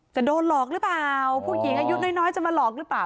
จะโดนหลอกหรือเปล่าผู้หญิงอายุน้อยจะมาหลอกหรือเปล่า